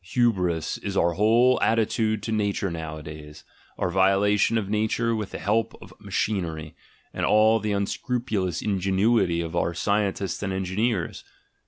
"Hybris" is our whole attitude to nature nowadays, our violation of nature with the help of ma chinery, and all the unscrupulous ingenuity of our scien tists and engineers.